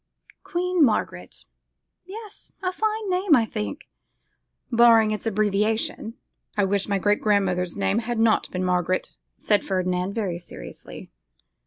'Queen Margaret! yes, a fine name, I think; barring its abbreviation.' 'I wish my great grandmother's name had not been Margaret,' said Ferdinand, very seriously.